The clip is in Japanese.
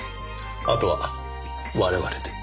あとは我々で。